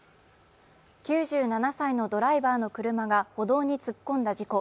９７歳のドライバーの車が歩道に突っ込んだ事故。